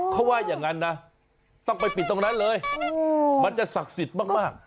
เขาว่าอย่างนั้นนะต้องไปปิดตรงนั้นเลยมันจะศักดิ์สิทธิ์มาก